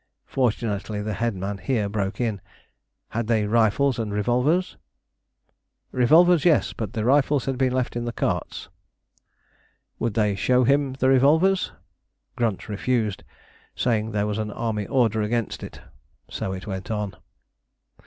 Fortunately the headman here broke in. Had they rifles and revolvers? Revolvers, yes! but the rifles had been left in the carts. Would they show him the revolvers? Grunt refused, saying there was an army order against it. So it went on.